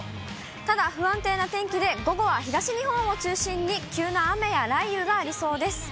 ただ、不安定な天気で、午後は東日本を中心に、急な雨や雷雨がありそうです。